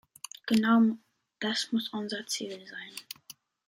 Genau das muss unser Ziel sein.